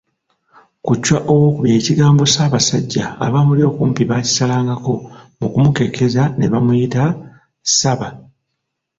Ku Chwa II, ekigambo Ssaabasajja abaamuli okumpi baakisalangako mu kumukekkeza ne bamuyita Ssaba.